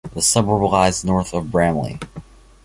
The suburb lies north of Bramley.